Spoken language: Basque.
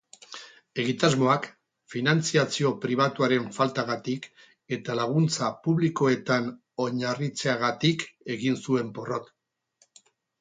Egitasmoak finantzazio pribatuaren faltagatik eta laguntza publikoetan oinarritzeagatik egin zuen porrot.